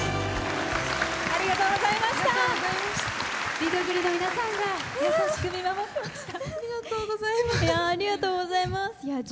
リトグリの皆さんが優しく見守っていました。